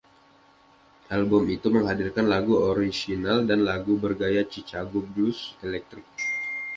Album itu menghadirkan lagu orisinal dan lagu bergaya Chicago blues elektrik.